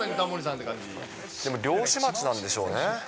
漁師町なんでしょうね。